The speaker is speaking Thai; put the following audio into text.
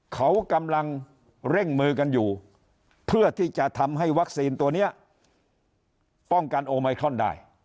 เขากำลังเร่งมือกันอยู่เพื่อที่จะทำให้วัคซีนตัวนี้ป้องกันโอไมครอนได้